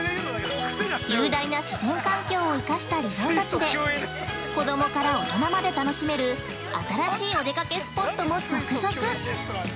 雄大な自然環境を生かしたリゾート地で子供から大人まで楽しめる「新しいお出かけスポット」も続々！